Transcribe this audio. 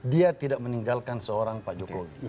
dia tidak meninggalkan seorang pak jokowi